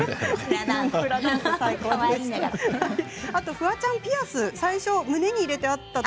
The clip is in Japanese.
フワちゃん、ピアス最初胸に入れてありましたね。